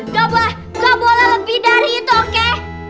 kau boleh lebih dari itu oke